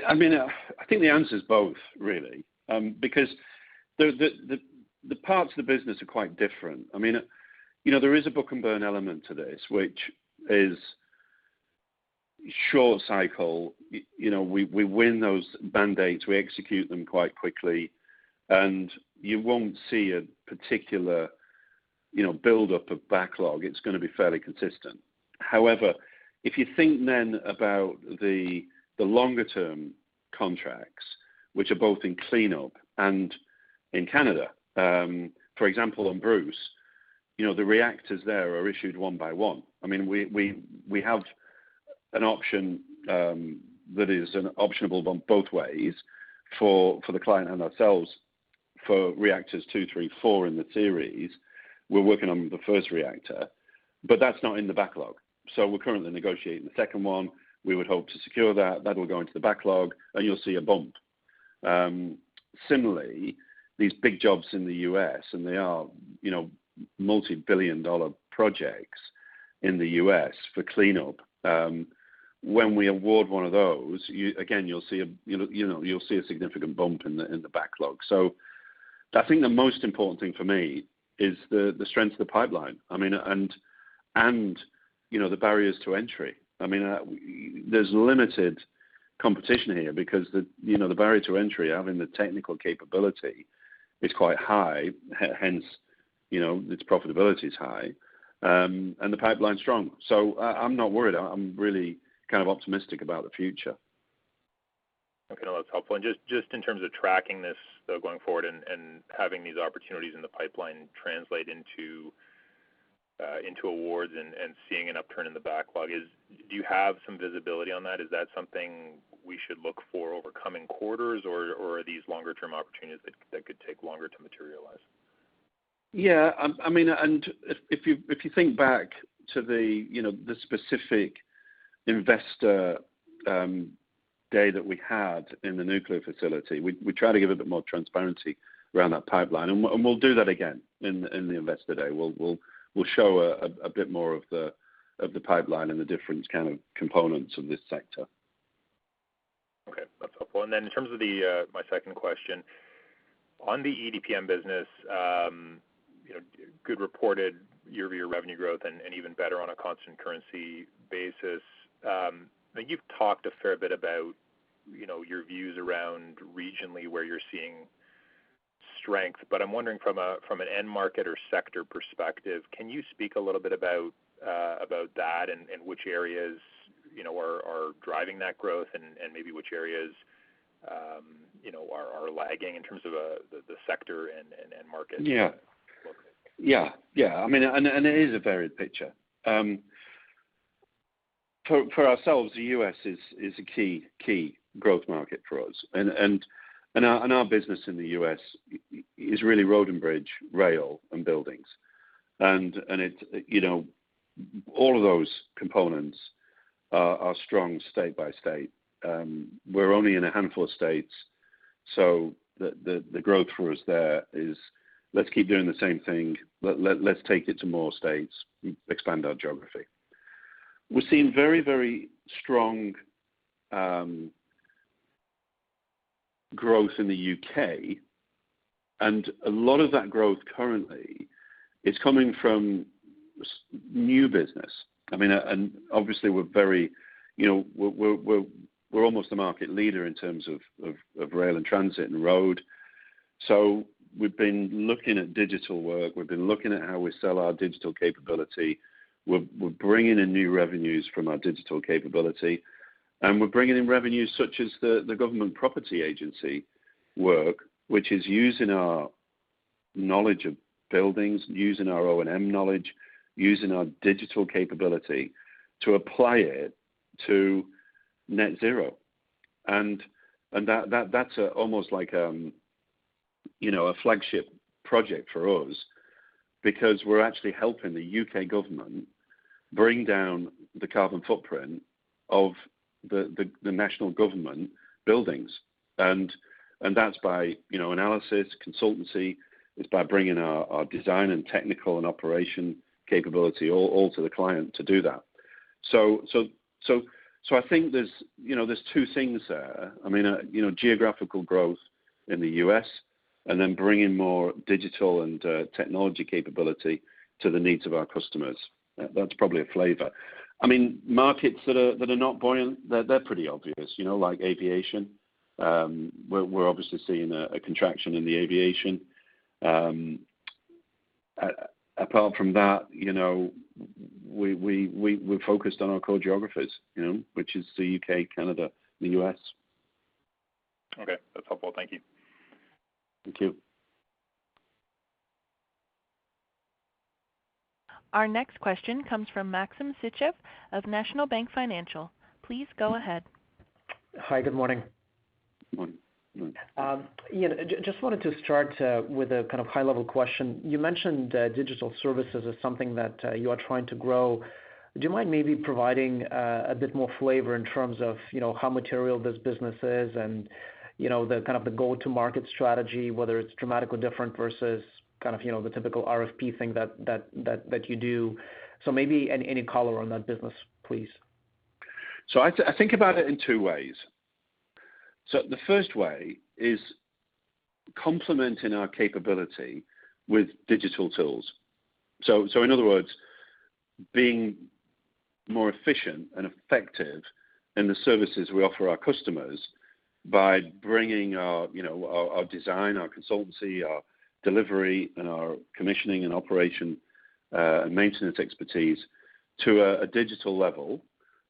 I mean, I think the answer is both, really. The parts of the business are quite different. There is a book-and-burn element to this, which is short cycle. We win those band-aids, we execute them quite quickly, and you won't see a particular buildup of backlog. It's going to be fairly consistent. If you think then about the longer-term contracts, which are both in cleanup and in Canada, for example, on Bruce, the reactors there are issued one by one. We have an option that is an optionable both ways for the client and ourselves for reactors two, three, four in the series. We're working on the first reactor. That's not in the backlog. We're currently negotiating the second one. We would hope to secure that. That will go into the backlog, and you'll see a bump. Similarly, these big jobs in the U.S., they are multi-billion dollar projects in the U.S. for cleanup. When we award one of those, again, you'll see a significant bump in the backlog. I think the most important thing for me is the strength of the pipeline, the barriers to entry. There's limited competition here because the barrier to entry, having the technical capability, is quite high. Hence, its profitability is high, the pipeline's strong. I'm not worried. I'm really kind of optimistic about the future. Okay. That's helpful. Just in terms of tracking this, though, going forward and having these opportunities in the pipeline translate into into awards and seeing an upturn in the backlog is, do you have some visibility on that? Is that something we should look for over coming quarters? Or are these longer-term opportunities that could take longer to materialize? Yeah, Imean, if you think back to the specific investor day that we had in the nuclear facility, we tried to give a bit more transparency around that pipeline, and we'll do that again in the investor day. We'll show a bit more of the pipeline and the different kind of components of this sector. Okay, that's helpful. In terms of my second question, on the EDPM business, good reported year-over-year revenue growth and even better on a constant currency basis. You've talked a fair bit about your views around regionally where you're seeing strength, but I'm wondering from an end market or sector perspective, can you speak a little bit about that and which areas are driving that growth, and maybe which areas are lagging in terms of the sector and end market? Yeah. It is a varied picture. For ourselves, the U.S. is a key growth market for us. Our business in the U.S. is really road and bridge, rail, and buildings. All of those components are strong state by state. We're only in a handful of states, so the growth for us there is, let's keep doing the same thing, let's take it to more states, expand our geography. We're seeing very strong growth in the U.K., and a lot of that growth currently is coming from new business. Obviously, we're almost a market leader in terms of rail and transit and road. We've been looking at digital work, we've been looking at how we sell our digital capability. We're bringing in new revenues from our digital capability, and we're bringing in revenues such as the government property agency work, which is using our knowledge of buildings, using our O&M knowledge, using our digital capability to apply it to net zero. That's almost like a flagship project for us because we're actually helping the U.K. government bring down the carbon footprint of the national government buildings. That's by analysis, consultancy, it's by bringing our design and technical and operation capability all to the client to do that. I think there's two things there. Geographical growth in the U.S. and then bringing more digital and technology capability to the needs of our customers. That's probably a flavor. Markets that are not buoyant, they're pretty obvious, like aviation. We're obviously seeing a contraction in the aviation. Apart from that, we're focused on our core geographies, which is the U.K., Canada, the U.S. Okay. That's helpful. Thank you. Thank you. Our next question comes from Maxim Sytchev of National Bank Financial. Please go ahead. Hi, good morning. Morning. Ian, just wanted to start with a kind of high level question. You mentioned digital services as something that you are trying to grow. Do you mind maybe providing a bit more flavor in terms of how material this business is and the go-to-market strategy, whether it's dramatically different versus the typical RFP thing that you do? Maybe any color on that business, please. I think about it in two ways. The first way is complementing our capability with digital tools. In other words, being more efficient and effective in the services we offer our customers by bringing our design, our consultancy, our delivery, and our commissioning and operation and maintenance expertise to a digital level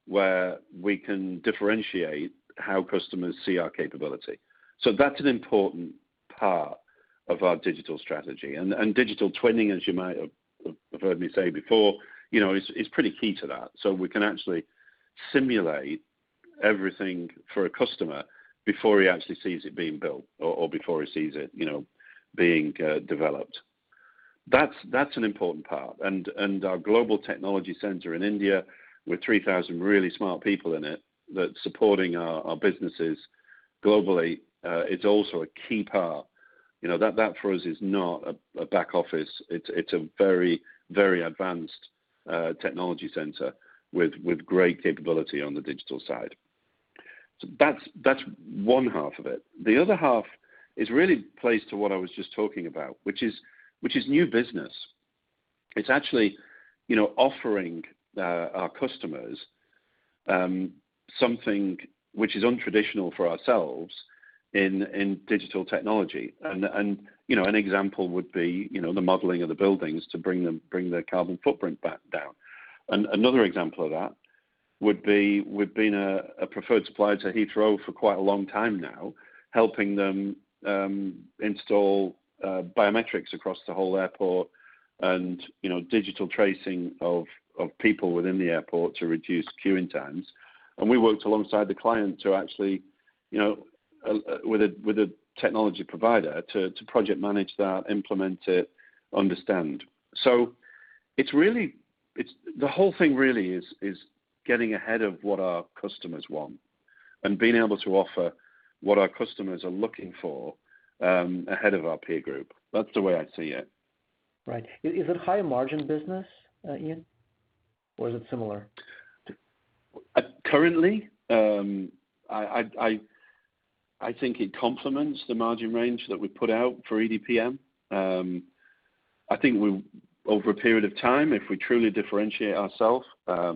where we can differentiate how customers see our capability. That's an important part of our digital strategy. Digital twinning, as you might have heard me say before, is pretty key to that. We can actually simulate everything for a customer before he actually sees it being built or before he sees it being developed. That's an important part. Our global technology center in India with 3,000 really smart people in it that's supporting our businesses globally, it's also a key part. That for us is not a back office. It's a very advanced technology center with great capability on the digital side. That's one half of it. The other half is really plays to what I was just talking about, which is new business. It's actually offering our customers something which is untraditional for ourselves in digital technology. An example would be the modeling of the buildings to bring their carbon footprint back down. Another example of that would be, we've been a preferred supplier to Heathrow for quite a long time now, helping them install biometrics across the whole airport and digital tracing of people within the airport to reduce queueing times. We worked alongside the client to actually, with a technology provider, to project manage that, implement it understand. The whole thing really is getting ahead of what our customers want and being able to offer what our customers are looking for, ahead of our peer group. That's the way I see it. Right. Is it high margin business, Ian? Or is it similar? Currently, I think it complements the margin range that we put out for EDPM. I think over a period of time, if we truly differentiate ourself, I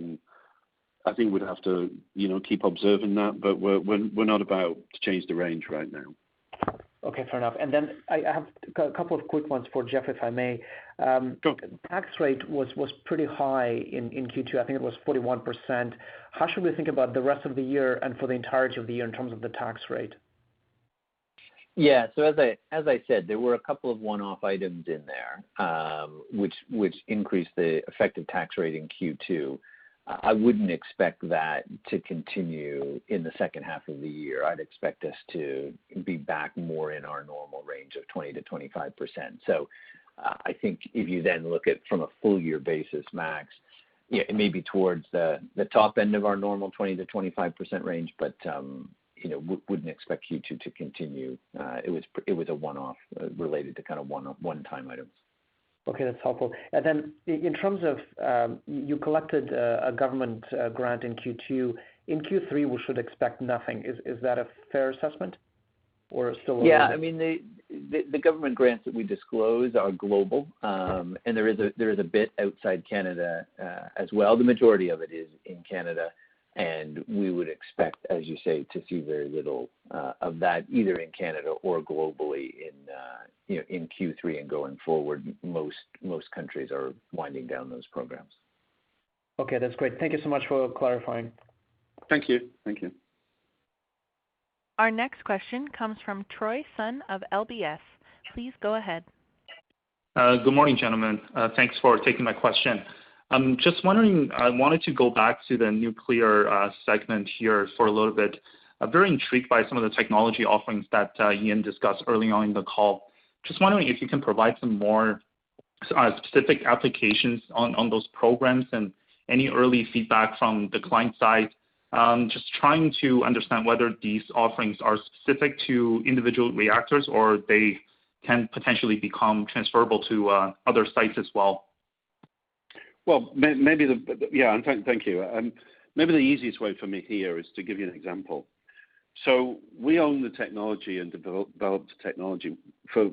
think we'd have to keep observing that, but we're not about to change the range right now. Okay. Fair enough. I have a couple of quick ones for Jeff, if I may. Sure. Tax rate was pretty high in Q2. I think it was 41%. How should we think about the rest of the year and for the entirety of the year in terms of the tax rate? Yeah. As I said, there were a couple of one-off items in there, which increased the effective tax rate in Q2. I wouldn't expect that to continue in the second half of the year. I'd expect us to be back more in our normal range of 20%-25%. I think if you then look at from a full year basis, Max, it may be towards the top end of our normal 20%-25% range, but we wouldn't expect Q2 to continue. It was a one-off related to one-time items. Okay, that's helpful. You collected a government grant in Q2. In Q3, we should expect nothing. Is that a fair assessment? Yeah, the government grants that we disclose are global. There is a bit outside Canada, as well. The majority of it is in Canada, and we would expect, as you say, to see very little of that, either in Canada or globally in Q3 and going forward. Most countries are winding down those programs. Okay. That's great. Thank you so much for clarifying. Thank you. Thank you. Our next question comes from Troy Sun of LBS. Please go ahead. Good morning, gentlemen. Thanks for taking my question. I wanted to go back to the nuclear segment here for a little bit. I am very intrigued by some of the technology offerings that Ian discussed early on in the call. Just wondering if you can provide some more specific applications on those programs and any early feedback from the client side. Just trying to understand whether these offerings are specific to individual reactors or they can potentially become transferable to other sites as well. Yeah. Thank you. Maybe the easiest way for me here is to give you an example. We own the technology and developed the technology for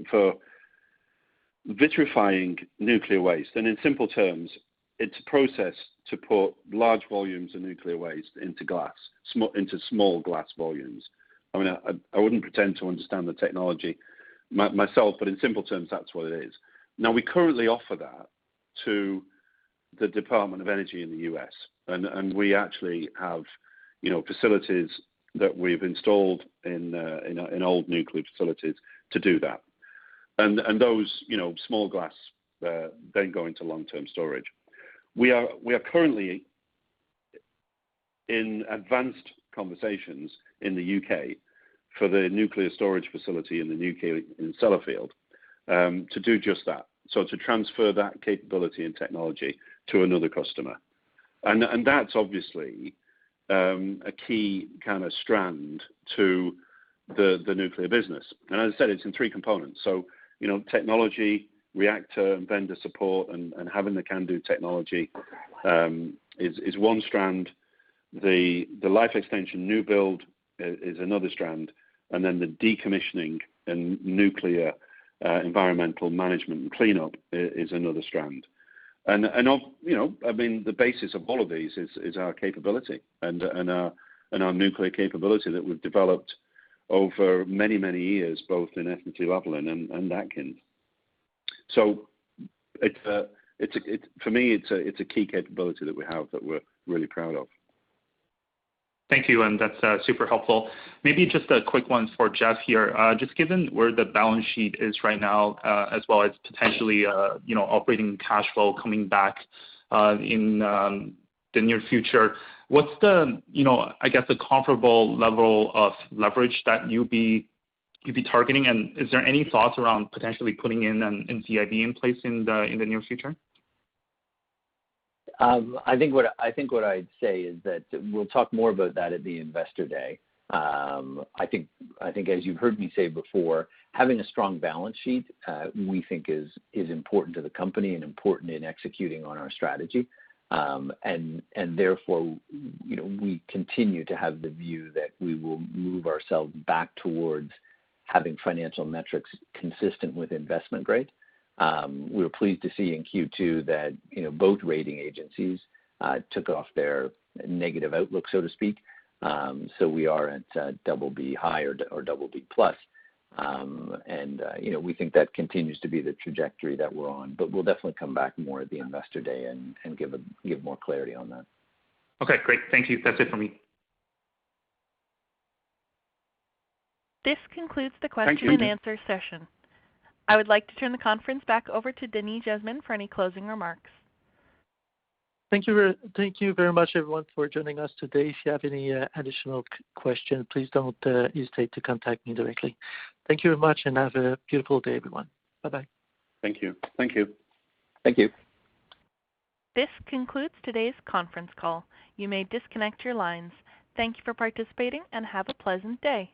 vitrifying nuclear waste. In simple terms, it's a process to put large volumes of nuclear waste into small glass volumes. I wouldn't pretend to understand the technology myself, but in simple terms, that's what it is. We currently offer that to the Department of Energy in U.S., and we actually have facilities that we've installed in old nuclear facilities to do that. Those small glass then go into long-term storage. We are currently in advanced conversations in the U.K. for the nuclear storage facility in Sellafield, to do just that. To transfer that capability and technology to another customer. That's obviously a key kind of strand to the nuclear business. As I said, it's in three components. Technology, reactor and vendor support and having the CANDU technology is one strand. The life extension new build is another strand. The decommissioning and nuclear environmental management and cleanup is another strand. The basis of all of these is our capability and our nuclear capability that we've developed over many, many years, both in SNC-Lavalin and Atkins. For me, it's a key capability that we have that we're really proud of. Thank you. That's super helpful. Maybe just a quick one for Jeff here. Given where the balance sheet is right now, as well as potentially operating cash flow coming back in the near future, what's the comparable level of leverage that you'd be targeting? Is there any thoughts around potentially putting in an NCIB in place in the near future? I think what I'd say is that we'll talk more about that at the Investor Day. I think as you've heard me say before, having a strong balance sheet we think is important to the company and important in executing on our strategy. Therefore, we continue to have the view that we will move ourselves back towards having financial metrics consistent with investment grade. We were pleased to see in Q2 that both rating agencies took off their negative outlook, so to speak. We are at BB high or BB+. We think that continues to be the trajectory that we're on, but we'll definitely come back more at the Investor Day and give more clarity on that. Okay, great. Thank you. That's it for me. This concludes the question- Thank you. ...answer session. I would like to turn the conference back over to Denis Jasmin for any closing remarks. Thank you very much, everyone, for joining us today. If you have any additional questions, please don't hesitate to contact me directly. Thank you very much and have a beautiful day, everyone. Bye-bye. Thank you. Thank you. Thank you. This concludes today's conference call. You may disconnect your lines. Thank you for participating and have a pleasant day.